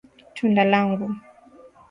Tunda langu.